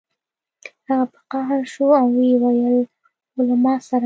هغه په قهر شو او ویې ویل هو له ما سره